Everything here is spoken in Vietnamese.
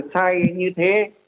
sai như thế